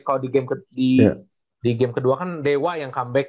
kalau di game kedua kan dewa yang comeback